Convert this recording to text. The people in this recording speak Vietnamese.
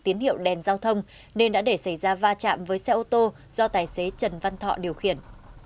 tín hiệu đèn giao thông nên đã để xảy ra va chạm với xe ô tô do tài xế trần văn thọ điều khiển